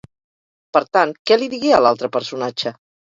Per tant, què li digué a l'altre personatge?